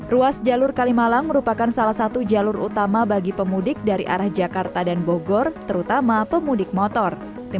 ruas jalur kalimalang merupakan salah satu jalur utama bagi pemudik dari arah jakarta dan bogor terutama pemudik motor